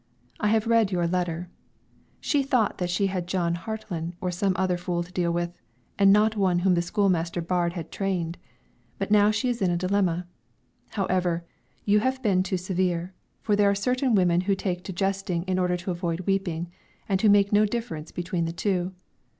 I have read your letter; she thought that she had Jon Hatlen or some other fool to deal with, and not one whom school master Baard had trained; but now she is in a dilemma. However, you have been too severe, for there are certain women who take to jesting in order to avoid weeping, and who make no difference between the two.